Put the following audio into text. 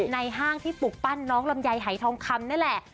ห้างที่ปลูกปั้นน้องลำไยหายทองคำนั่นแหละ